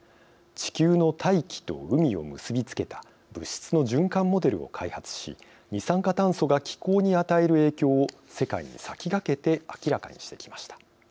地球の大気と海を結び付けた物質の循環モデルを開発し二酸化炭素が気候に与える影響を世界に先駆けて明らかにしてきました。